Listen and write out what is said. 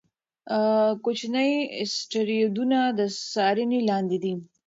کوچني اسټروېډونه د څارنې لاندې دي.